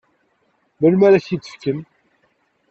Melmi ara ak-t-id-fken?